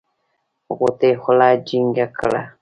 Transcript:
غوټۍ خوله جينګه کړه.